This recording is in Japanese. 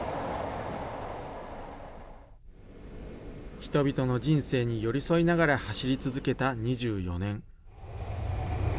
人々の人生に寄り添いながら走り続けた２４年。